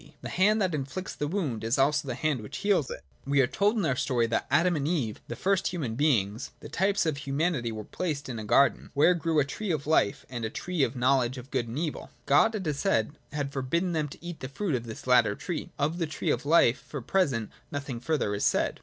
The hand that inflicts the wound is also the hand which heals it. We are told in our story that Adam and Eve, the first human beings, the types of humanity, were placed in a garden, where grew a tree of life and a tree of the know ledge of good and evil. God, it is said, had forbidden them to eat of the fruit of this latter tree : of the tree of life for the present nothing further is said.